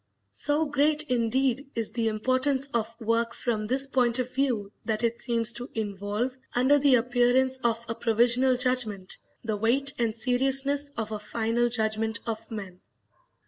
So great, indeed, is the importance of work from this point of view that it seems to involve, under the appearance of a provisional judgment, the weight and seriousness of a final judgment of men.